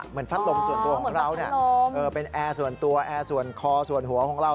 เหมือนพัดลมส่วนตัวของเราเป็นแอร์ส่วนตัวแอร์ส่วนคอส่วนหัวของเรา